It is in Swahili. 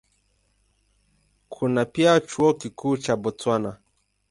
Kuna pia Chuo Kikuu cha Botswana.